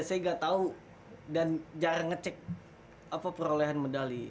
saya nggak tahu dan jarang ngecek apa perolehan medali